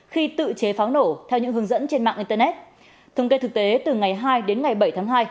khi tự chế pháo nổ theo những hướng dẫn trên mạng internet thống kê thực tế từ ngày hai đến ngày bảy tháng hai